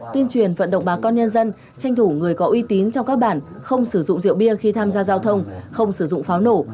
tuyên truyền vận động bà con nhân dân tranh thủ người có uy tín trong các bản không sử dụng rượu bia khi tham gia giao thông không sử dụng pháo nổ